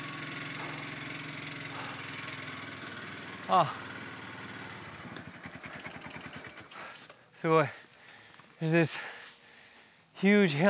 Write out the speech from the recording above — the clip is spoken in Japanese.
あっすごい。